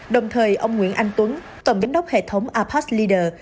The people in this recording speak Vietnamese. đồng thời ông nguyễn anh tuấn tổng bến đốc hệ thống apas leaders